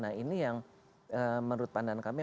nah ini yang menurut pandangan kami